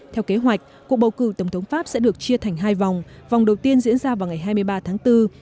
theo kế hoạch cuộc bầu cử tổng thống pháp sẽ được chia thành hai vòng vòng đầu tiên diễn ra vào ngày hai mươi ba tháng bốn